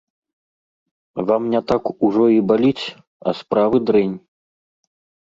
Вам не так ужо і баліць, а справы дрэнь.